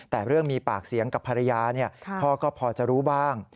แต่เรื่องมีปากเสียงกับภรรยาพ่อก็พอจะรู้บ้าง